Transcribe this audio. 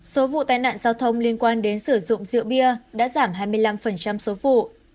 số vụ tai nạn giao thông liên quan đến sử dụng rượu bia đã giảm hai mươi năm số vụ